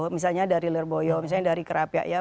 misalnya dari lerboyo misalnya dari kerapia ya